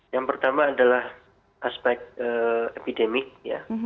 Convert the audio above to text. yang pertama adalah aspek epidemik ya